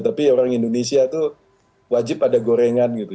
tapi orang indonesia itu wajib ada gorengan gitu